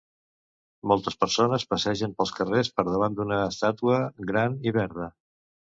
Moltes persones passegen pels carrers per davant d'una estàtua gran i verda.